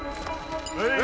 はい！